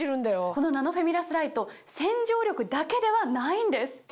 このナノフェミラスライト洗浄力だけではないんです。